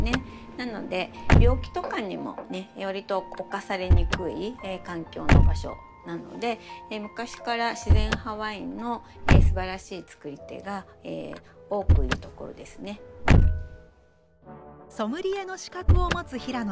なので病気とかにもねわりと侵されにくい環境の場所なので昔から自然派ワインのすばらしいつくり手が多くいる所ですね。ソムリエの資格を持つ平野さん。